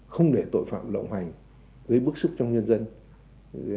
không để tội phạm lộng hành